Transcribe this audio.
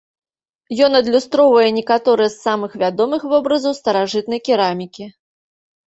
Ён адлюстроўвае некаторыя з самых вядомых вобразаў старажытнай керамікі.